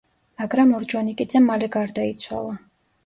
მაგრამ ორჯონიკიძე მალე გარდაიცვალა.